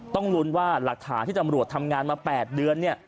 ต้องลุ้นว่าหลักฐานที่ตำรวจทำงานมา๘เดือนเนี่ย